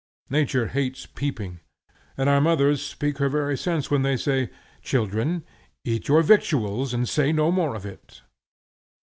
Nature hates peeping, and our mothers speak her very sense when they say, "Children, eat your victuals, and say no more of it."